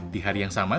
di hari yang sama